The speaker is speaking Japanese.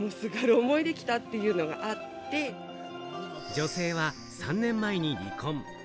女性は３年前に離婚。